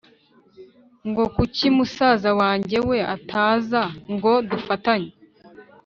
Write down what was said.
ngo kuki musaza wange we ataza ngo dufatanye,